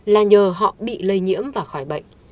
là nhờ họ bị lây nhiễm và khỏi bệnh